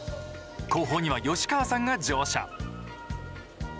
後方には吉川さんが乗車。